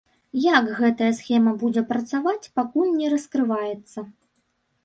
Як гэтая схема будзе працаваць, пакуль не раскрываецца.